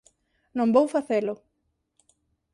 Non vou facelo.